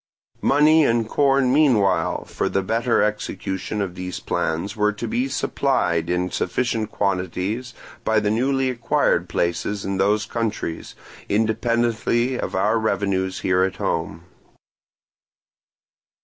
Money and corn meanwhile for the better execution of these plans were to be supplied in sufficient quantities by the newly acquired places in those countries, independently of our revenues here at home.